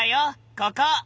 ここ！